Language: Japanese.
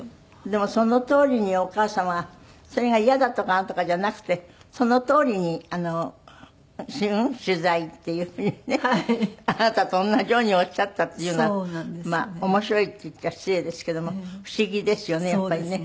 でもそのとおりにお母様はそれがイヤだとかなんとかじゃなくてそのとおりに「うん？取材」っていう風にねあなたと同じようにおっしゃったっていうのはまあ面白いって言っちゃ失礼ですけども不思議ですよねやっぱりね。